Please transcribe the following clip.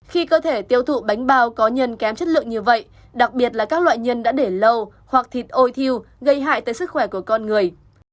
khi cơ thể tiêu thụ bánh bao có nhân kém chất lượng như vậy đặc biệt là các loại nhân đã để lâu hoặc thịt ôi thiêu gây hại tới sức khỏe của con người